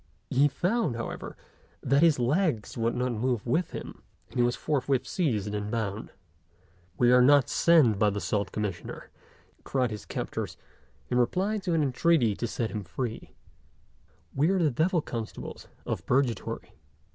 He found, however, that his legs would not move with him, and he was forthwith seized and bound. "We are not sent by the Salt Commissioner," cried his captors, in reply to an entreaty to set him free; "we are the devil constables of Purgatory."